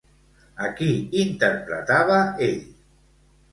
A qui interpretava ell?